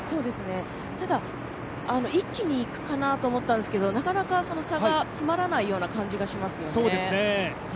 ただ一気にいくかなと思ったんですけどなかなか差が詰まらないような感じがしますよね。